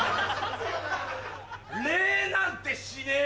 礼なんてしねえ！